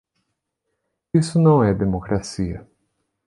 Isso não é democracia